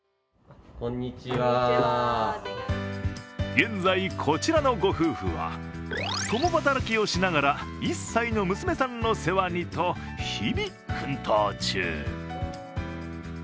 現在、こちらのご夫婦は共働きをしながら１歳の娘さんの世話にと、日々奮闘中。